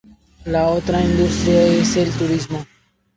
La otra industria es el turismo.